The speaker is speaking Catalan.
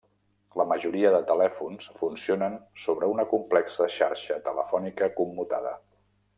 La majoria de telèfons funcionen sobre una complexa Xarxa Telefònica Commutada.